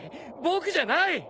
僕じゃない！